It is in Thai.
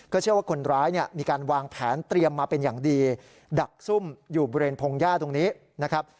เชื่อว่าคนร้ายเนี่ยมีการวางแผนเตรียมมาเป็นอย่างดีดักซุ่มอยู่บริเวณพงหญ้าตรงนี้นะครับ